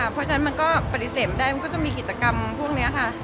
เพราะฉะนั้นมันก็ปฏิเสธไม่ได้มันก็จะมีกิจกรรมพวกนี้ค่ะ